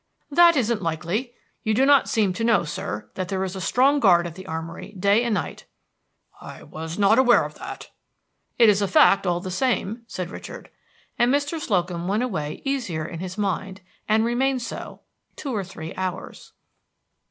"That isn't likely. You do not seem to know, sir, that there is a strong guard at the armory day and night." "I was not aware of that." "It is a fact all the same," said Richard; and Mr. Slocum went away easier in his mind, and remained so two or three hours.